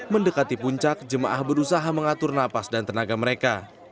mendekati puncak jemaah berusaha mengatur nafas dan tenaga mereka